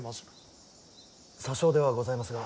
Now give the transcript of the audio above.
些少ではございますが。